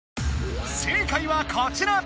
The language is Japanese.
正解はこちら！